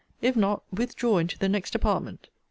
If not, withdraw into the next apartment.